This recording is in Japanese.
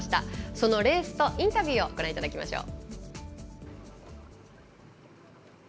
そのレースとインタビューをご覧いただきましょう。